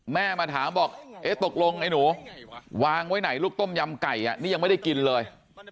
มาถามบอกเอ๊ะตกลงไอ้หนูวางไว้ไหนลูกต้มยำไก่นี่ยังไม่ได้กินเลย